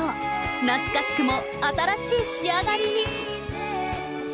懐かしくも新しい仕上がりに。